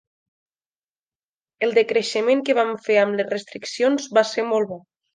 El decreixement que vam fer amb les restriccions va ser molt bo.